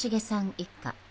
一家